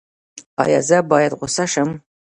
ایا زه باید غوسه شم؟